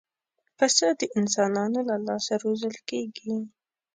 پسه د انسانانو له لاسه روزل کېږي.